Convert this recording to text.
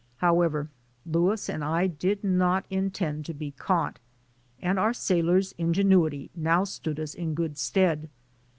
However, Louis and I did not intend to be caught, and our sailor's ingenuity now stood us in good stead.